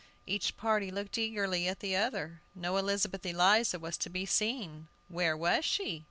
Each party looked eagerly at the other; no Elizabeth Eliza was to be seen. Where was she?